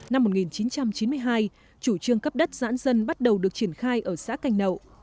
năm một nghìn chín trăm chín mươi hai chủ trương cấp đất giãn dân bắt đầu được triển khai ở xã canh nậu